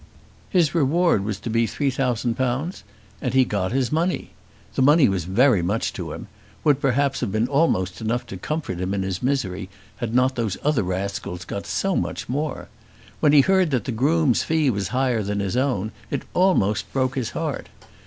His reward was to be three thousand pounds, and he got his money. The money was very much to him, would perhaps have been almost enough to comfort him in his misery, had not those other rascals got so much more. When he heard that the groom's fee was higher than his own, it almost broke his heart.